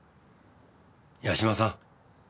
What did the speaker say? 八島さん！